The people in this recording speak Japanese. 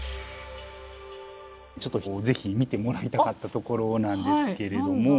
ちょっとぜひ見てもらいたかったところなんですけれども。